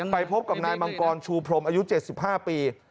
ไปพบกับนายมังกรชูพรมอายุ๗๕ปี